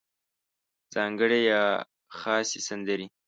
ځانګړې یا خاصې سندرې